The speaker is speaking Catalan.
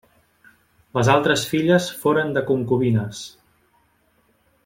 Les altres filles foren de concubines.